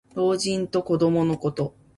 老人と子どものこと。